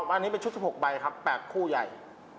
อันนี้เป็นชุด๑๖ใบครับ๘คู่ใหญ่